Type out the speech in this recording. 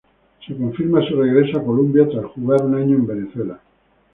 Se confirma su regreso a Colombia tras jugar un año en Venezuela.